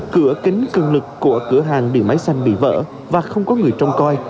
cửa kính cân lực của cửa hàng điện máy xanh bị vỡ và không có người trông coi